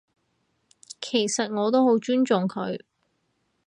其實我都好尊敬佢